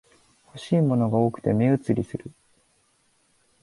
欲しいものが多くて目移りする